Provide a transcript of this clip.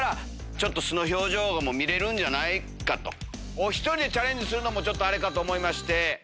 お１人でチャレンジするのもあれかと思いまして。